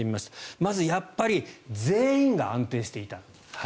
まず、やっぱり全員が安定していた。